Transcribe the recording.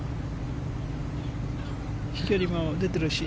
飛距離も出ているし。